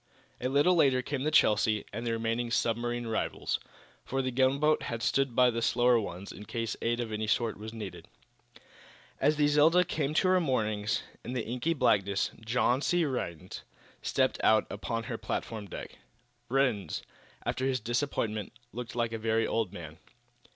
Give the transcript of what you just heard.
A little later came the "Chelsea" and the remaining submarine rivals, for the gunboat had stood by the slower ones in case aid of any sort was needed. As the "Zelda" came to her moorings in the inky blackness John C. Rhinds stepped out upon her platform deck. Rhinds, after his disappointment, looked like a very old man.